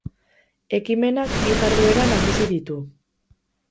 Ekimenak bi jarduera nagusi ditu.